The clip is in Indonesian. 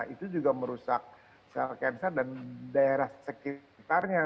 itu juga merusak sel cancer dan daerah sekitarnya